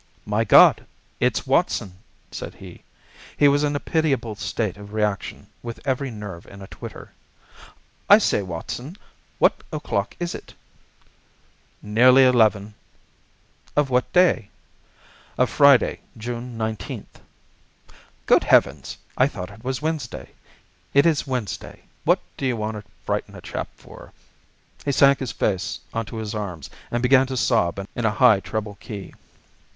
"My God! It's Watson," said he. He was in a pitiable state of reaction, with every nerve in a twitter. "I say, Watson, what o'clock is it?" "Nearly eleven." "Of what day?" "Of Friday, June 19th." "Good heavens! I thought it was Wednesday. It is Wednesday. What d'you want to frighten a chap for?" He sank his face onto his arms and began to sob in a high treble key.